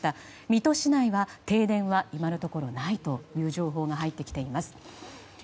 水戸市内は、停電は今のところないという情報が入ってきています。